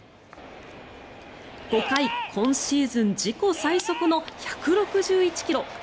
５回、今シーズン自己最速の１６１ｋｍ。